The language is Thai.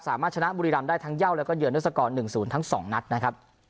สามารถชนะบุรีรำได้ทั้งเย่าแล้วก็เยือนด้วยสกอร์๑๐ทั้ง๒นัดนะครับ